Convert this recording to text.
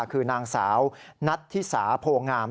คือนางสาวนัทธิสาโพงาม